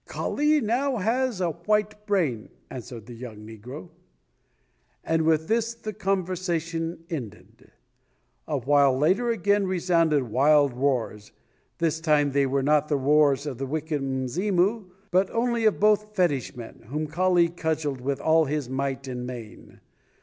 "Kali now has a white brain," answered the young negro. And with this the conversation ended. A while later again resounded wild roars; this time they were not the roars of the wicked Mzimu but only of both fetish men, whom Kali cudgelled with all his might and main.